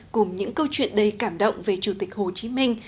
cùng những câu chuyện đầy cảm động về chủ tịch hồ chí minh